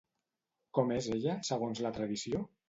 Com és ella, segons la tradició?